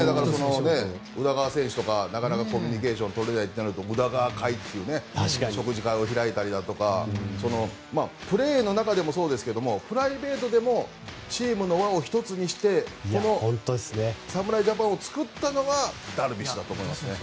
宇田川選手とかなかなかコミュニケーションが取れないと言ったら宇田川会という食事会を開いたりとかプレーの中でもそうですけどプライベートでもチームの輪を１つにして侍ジャパンを作ったのがダルビッシュだと思いますね。